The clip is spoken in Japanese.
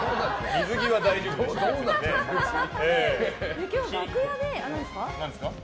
水着は大丈夫なんですね。